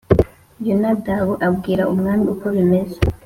Yonadabu abwira umwami uko bimeze